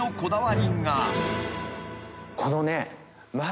このね。